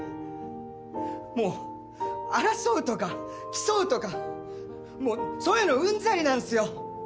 もう争うとか競うとかもうそういうのうんざりなんすよ！